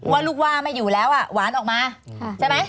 ว่าลูกว่าไม่อยู่แล้วอ่ะหวานออกมาใช่ไหม